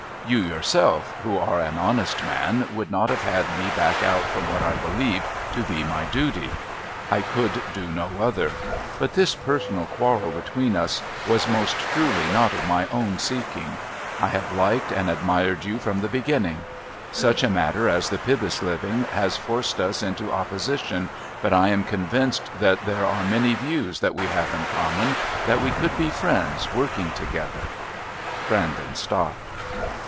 You, yourself, who are an honest man, would not have had me back out from what I believed to be my duty. I could do no other. But this personal quarrel between us was most truly not of my own seeking. I have liked and admired you from the beginning. Such a matter as the Pybus living has forced us into opposition, but I am convinced that there are many views that we have in common, that we could be friends working together " Brandon stopped.